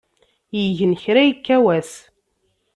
Igen kra ikka wass.